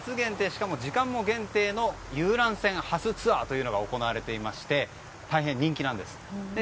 しかも、時間も限定の遊覧船ハスツアーというものが行われていまして大変、人気なんです。